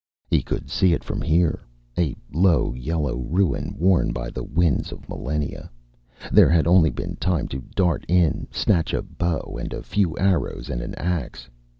He could see it from here, a low yellow ruin worn by the winds of millennia. There had only been time to dart in, snatch a bow and a few arrows and an axe.